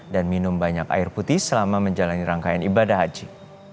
dan minum banyak air putih selama menjalani rangkaian ibadah haji